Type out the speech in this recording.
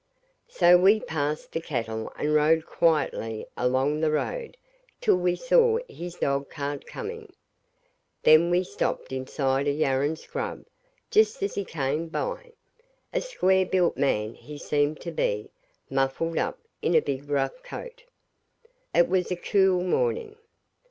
So we passed the cattle and rode quietly along the road till we saw his dogcart coming; then we stopped inside a yarran scrub, just as he came by a square built man he seemed to be, muffled up in a big rough coat. It was a cool morning.